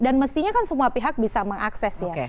dan mestinya kan semua pihak bisa mengakses ya